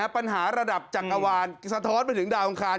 ปัญหาระดับจักรวาลสะท้อนไปถึงดาวอังคาร